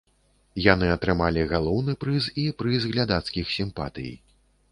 Яны атрымалі галоўны прыз і прыз глядацкіх сімпатый.